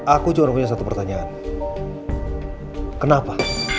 aku cuma punya satu pertanyaan kenapa